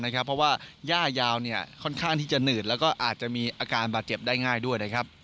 เพราะว่าย่ายาวค่อนข้างที่จะหนืดแล้วก็อาจจะมีอาการบาดเจ็บได้ง่ายด้วยนะครับ